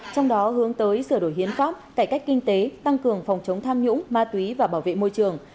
trong đó hướng tới sửa đổi hiến pháp cải cách kinh tế tăng cường phòng chống tham nhũng ma túy và bảo vệ môi trường